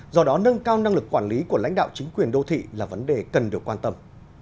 do đó nâng cao năng lực quản lý của lãnh đạo chính quyền đô thị là vấn đề cần được quan tâm